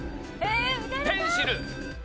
ペンシル。